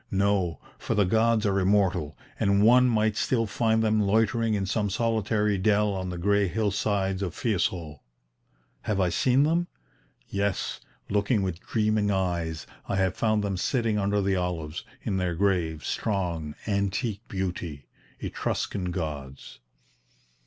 No, for the gods are immortal, and one might still find them loitering in some solitary dell on the grey hillsides of Fiesole. Have I seen them? Yes, looking with dreaming eyes, I have found them sitting under the olives, in their grave, strong, antique beauty Etruscan gods!"